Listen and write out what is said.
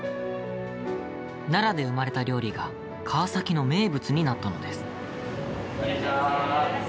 奈良で生まれた料理が川崎の名物になったのです。